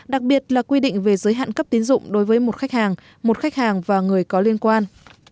đặc biệt là quy định về giới hạn cấp tín dụng đối với một khách hàng một khách hàng và người có liên quan